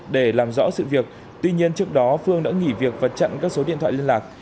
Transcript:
để làm rõ sự việc tuy nhiên trước đó phương đã nghỉ việc và chặn các số điện thoại liên lạc